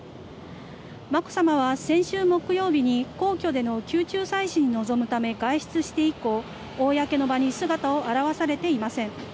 まこさまは先週木曜日に、皇居での宮中祭祀に臨むため外出して以降、公の場に姿を現されていません。